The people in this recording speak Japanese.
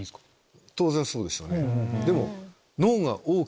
当然そうですよね。